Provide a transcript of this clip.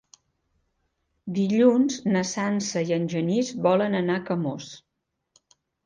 Dilluns na Sança i en Genís volen anar a Camós.